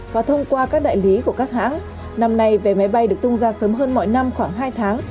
và thông qua các đại lý của các hãng năm nay về máy bay được tung ra sớm hơn mọi năm khoảng hai tháng